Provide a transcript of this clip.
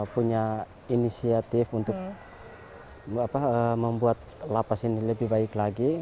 punya inisiatif untuk membuat lapas ini lebih baik lagi